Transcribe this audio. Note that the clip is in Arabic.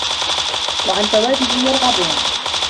وَعَنْ ثَوَابِهِ يَرْغَبُونَ